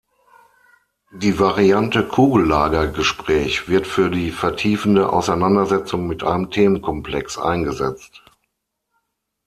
Die Variante "Kugellager-Gespräch" wird für die vertiefende Auseinandersetzung mit einem Themenkomplex eingesetzt.